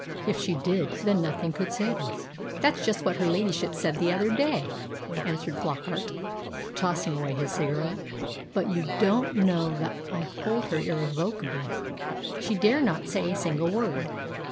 "If she did, then nothing could save us." "That's just what her ladyship said the other day," answered Flockart, tossing away his cigarette. "But you don't know that I hold her irrevocably. She dare not say a single word.